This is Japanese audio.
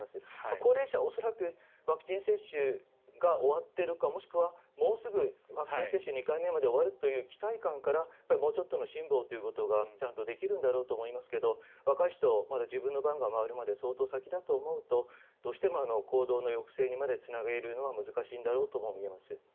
高齢者恐らくワクチン接種が終わってるかもしくはもうすぐワクチン接種２回目まで終わるという期待感からもうちょっとの辛抱ということがちゃんとできるんだろうと思うんですが若い人まだ自分の番が回るまで相当先だと思うとどうしても行動の抑制にまでつなげるのは難しいと思います。